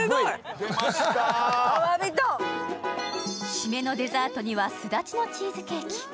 締めのデザートには、すだちのチーズケーキ。